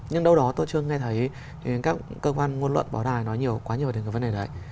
nhưng đâu đó tôi chưa nghe thấy các cơ quan ngôn luận bỏ đài nói quá nhiều về cái vấn đề đấy